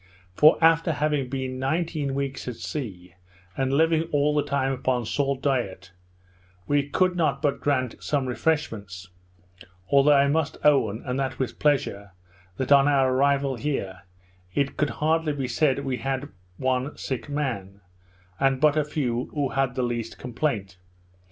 For after having been nineteen weeks at sea, and living all the time upon salt diet, we could not but want some refreshments; although I must own, and that with pleasure, that on our arrival here, it could hardly be said we had one sick man; and but a few who had the least complaint.